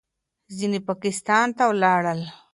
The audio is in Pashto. ځینې پاکستان ته ولاړل.